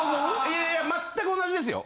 いやいやまったく同じですよ。